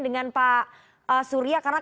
dengan pak surya karena